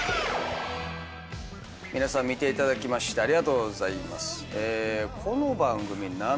皆さん見ていただきましてありがとうございます。